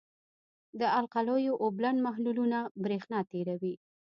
د القلیو اوبلن محلولونه برېښنا تیروي.